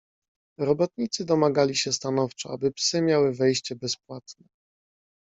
"Robotnicy domagali się stanowczo, aby psy miały wejście bezpłatne."